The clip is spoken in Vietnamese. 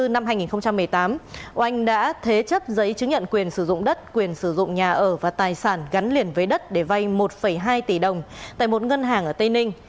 năm hai nghìn một mươi tám oanh đã thế chấp giấy chứng nhận quyền sử dụng đất quyền sử dụng nhà ở và tài sản gắn liền với đất để vay một hai tỷ đồng tại một ngân hàng ở tây ninh